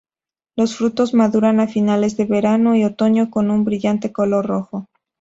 Los frutos maduran a finales de verano y otoño, con un brillante color rojo.